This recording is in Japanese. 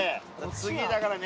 次だからね。